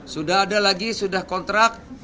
sudah ada lagi sudah kontrak